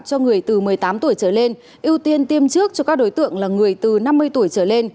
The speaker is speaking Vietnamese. cho người từ một mươi tám tuổi trở lên ưu tiên tiêm trước cho các đối tượng là người từ năm mươi tuổi trở lên